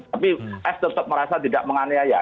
tapi f tetap merasa tidak menganiaya